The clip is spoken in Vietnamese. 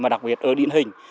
mà đặc biệt ở điện hình